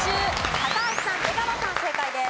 高橋さん出川さん正解です。